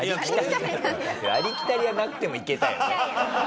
「ありきたり」はなくてもいけたよね。